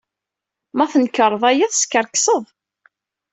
Ma tnekṛeḍ aya, teskerkseḍ.